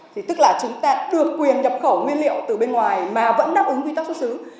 thì tức là chúng ta được quyền nhập khẩu nguyên liệu từ bên ngoài mà vẫn đáp ứng quy tắc xuất xứ